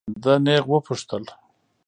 ده نېغ وپوښتل.